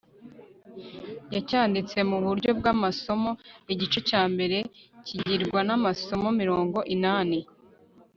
yacyanditse mu buryo bw'amasomo, igice cya mbere kigirwa n'amasomo mirongo inani